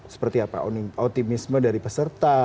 seperti apa optimisme dari peserta